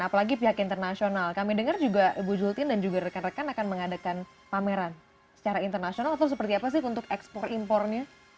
apalagi pihak internasional kami dengar juga ibu jultin dan juga rekan rekan akan mengadakan pameran secara internasional atau seperti apa sih untuk ekspor impornya